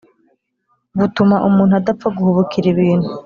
butuma umuntu adapfa guhubukira ibintu.